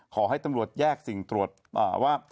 ขอให้ตำรวจแยกสิ่งตรวจว่า